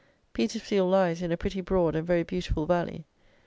Petersfield lies in a pretty broad and very beautiful valley.